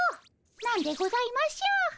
何でございましょう？